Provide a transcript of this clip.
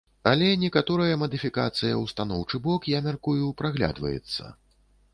Але некаторая мадыфікацыя ў станоўчы бок, я мяркую, праглядваецца.